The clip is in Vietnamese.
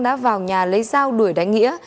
đã vào nhà lấy dao đuổi đánh nghĩa